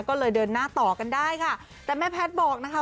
ก็เลยเดินหน้าต่อกันได้ค่ะแต่แม่แพทย์บอกนะคะ